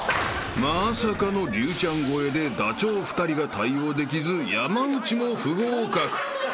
［まさかの竜ちゃん超えでダチョウ２人が対応できず山内も不合格］